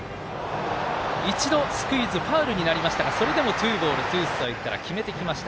一度、スクイズファウルになりましたがそれでもツーボールツーストライクから決めてきました。